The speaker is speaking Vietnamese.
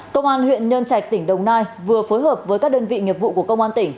công an huyện nhân trạch tỉnh đồng nai vừa phối hợp với các đơn vị nghiệp vụ của công an tỉnh